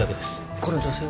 この女性は？